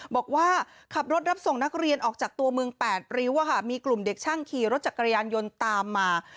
บอกว่าขับรถรับส่งนักเรียนออกจากตัวเมืองแปดริ้วมีกลุ่มเด็กช่างขี่รถจักรยานยนต์ตามมา